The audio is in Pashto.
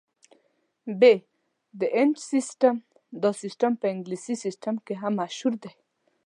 ب - د انچ سیسټم: دا سیسټم په انګلیسي سیسټم هم مشهور دی.